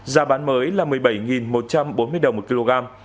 giá bán mới là một mươi bảy một trăm bốn mươi đồng một kg